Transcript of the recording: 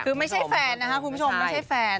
คือไม่ใช่แฟนนะคะคุณผู้ชมไม่ใช่แฟน